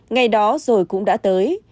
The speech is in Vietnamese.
ngày đó rồi cũng đã tới